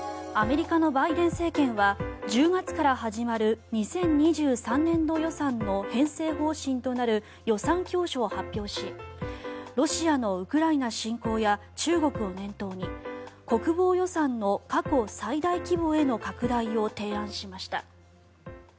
アメリカのバイデン政権は１０月から始まる２０２３年度予算の編成方針となる予算教書を発表しロシアのウクライナ侵攻や中国を念頭に国防予算の過去最大規模への拡大を提案しました。